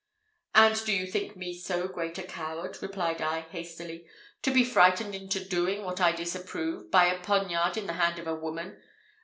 "And do you think me so great a coward," replied I, hastily, "to be frightened into doing what I disapprove, by a poniard in the hand of a woman?